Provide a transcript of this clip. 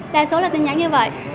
đa số là tin nhắn như vậy